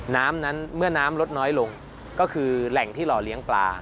น้ำนั้นเมื่อน้ำลดน้อยลงก็คือแหล่งที่หล่อเลี้ยงปลา